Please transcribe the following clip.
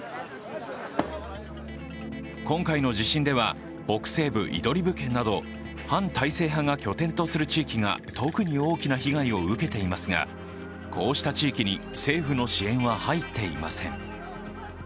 今回の地震では北西部イドリブ県など反体制派が拠点とする地域が特に大きな被害を受けていますがこうした地域に政府の支援は入っていません。